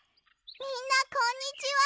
みんなこんにちは！